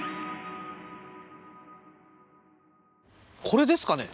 これですかね？